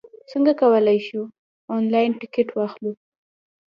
څنګه کولای شو، انلاین ټکټ واخلو؟